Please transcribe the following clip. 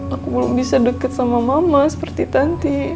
aku belum bisa deket sama mama seperti tanti